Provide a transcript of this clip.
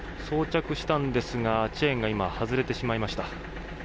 装着したんですがチェーンが今、外れてしまいました。